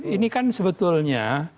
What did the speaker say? ini kan sebetulnya